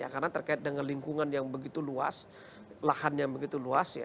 karena terkait dengan lingkungan yang begitu luas lahan yang begitu luas